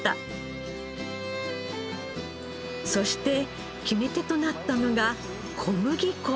そして決め手となったのが小麦粉。